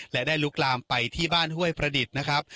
และได้ลุกลามไปที่บ้านห้วยประดิษฐ์นะครับ